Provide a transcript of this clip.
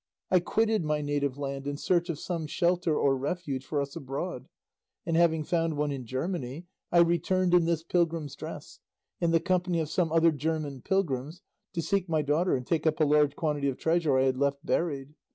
I quitted my native land in search of some shelter or refuge for us abroad, and having found one in Germany I returned in this pilgrim's dress, in the company of some other German pilgrims, to seek my daughter and take up a large quantity of treasure I had left buried.